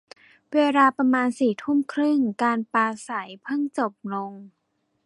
เวลาประมาณสี่ทุ่มครึ่ง การปราศรัยเพิ่งจบลง